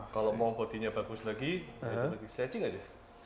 kalau mau bodinya bagus lagi itu lagi stretching aja